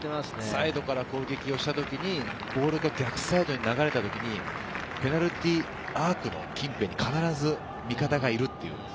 サイドから攻撃をした時にボールが逆サイドに流れたときに、ペナルティーエリアの近辺、必ず味方がいるという。